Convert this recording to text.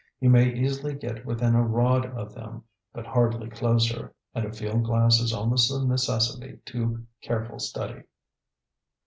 You may easily get within a rod of them, but hardly closer, and a field glass is almost a necessity to careful study.